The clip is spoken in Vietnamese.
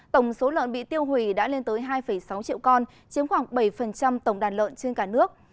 tổng số lợn bị tiêu hủy đã lên tới hai sáu triệu con chiếm khoảng bảy tổng đàn lợn trên cả nước